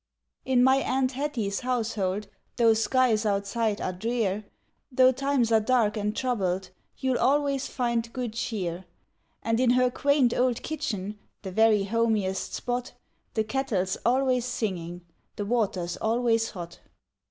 In my Aunt Hattie's household, Though skies outside are drear, Though times are dark and troubled, You'll always find good cheer. And in her quaint old kitchen The very homiest spot The kettle's always singing, The water's always hot.